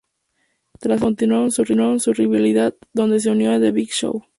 Tras esto, continuaron su rivalidad donde se unió The Big Show.